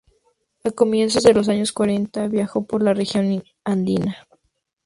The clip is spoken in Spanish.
A comienzos de los años cuarenta viajó por la región andina.